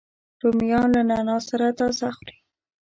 رومیان له نعناع سره تازه خوري